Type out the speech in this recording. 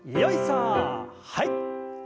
はい。